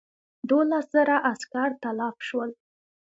دوولس زره عسکر تلف شول.